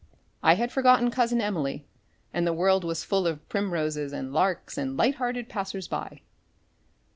I had forgotten Cousin Emily and the world was full of primroses and larks and light hearted passers by.